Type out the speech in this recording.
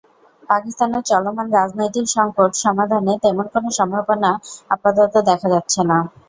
পাকিস্তানের চলমান রাজনৈতিক সংকট সমাধানে তেমন কোনো সম্ভাবনা আপাতত দেখা যাচ্ছে না।